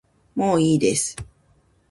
もういいです